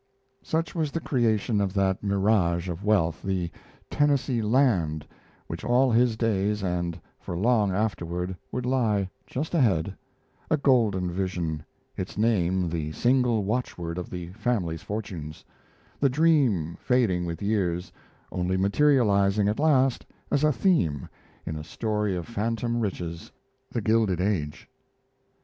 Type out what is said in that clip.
Such was the creation of that mirage of wealth, the "Tennessee land," which all his days and for long afterward would lie just ahead a golden vision, its name the single watchword of the family fortunes the dream fading with years, only materializing at last as a theme in a story of phantom riches, The Gilded Age.